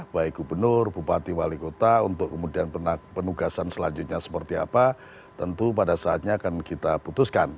baik gubernur bupati wali kota untuk kemudian penugasan selanjutnya seperti apa tentu pada saatnya akan kita putuskan